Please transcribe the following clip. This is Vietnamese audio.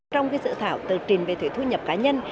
trong dự thảo tờ trình về thuế thu nhập cá nhân